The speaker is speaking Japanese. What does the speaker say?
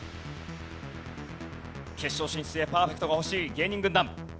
決勝進出へパーフェクトが欲しい芸人軍団。